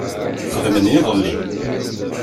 Xedmen iḍelli